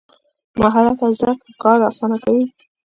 مهارت او زده کړه کار اسانه کوي.